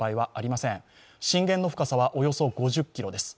震源の深さはおよそ５０ｋｍです。